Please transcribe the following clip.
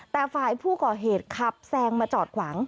แต่ฝ่ายผู้ก่อเหตุขับแซงมาจอดขวาง